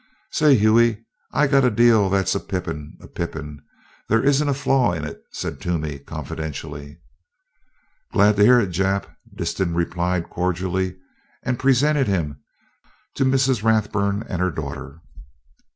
"Say, Hughie I got a deal on that's a pippin a pippin. There isn't a flaw in it!" said Toomey confidentially. "Glad to hear it, Jap," Disston replied cordially, and presented him to Mrs. Rathburn and her daughter.